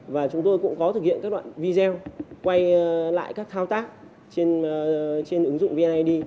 và chúng tôi cũng có thực hiện các đoạn video quay lại các thao tác trên ứng dụng vneid